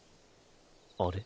あれ？